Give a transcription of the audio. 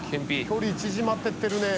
距離縮まってってるね。